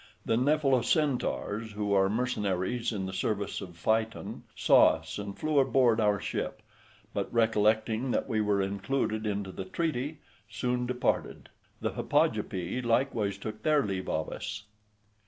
The Nephelocentaurs, who are mercenaries in the service of Phaeton, saw us and flew aboard our ship, but, recollecting that we were included into the treaty, soon departed; the Hippogypi likewise took their leave of us.